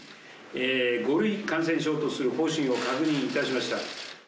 ５類感染症とする方針を確認いたしました。